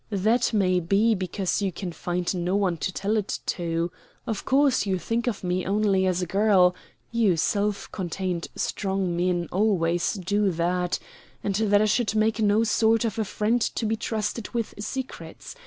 That may be because you can find no one to tell it to. Of course you think of me only as a girl you self contained strong men always do that and that I should make no sort of a friend to be trusted with secrets.